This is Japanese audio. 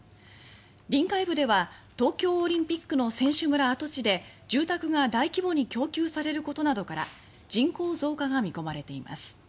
臨海部では東京オリンピックの選手村跡地で住宅が大規模に供給されることなどから人口増加が見込まれています。